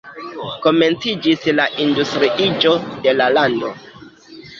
Komenciĝis la industriiĝo de la lando.